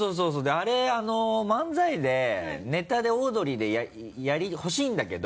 あれ漫才でネタでオードリーでほしいんだけど。